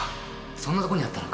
そんなとこにあったのか。